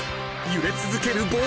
［揺れ続ける棒。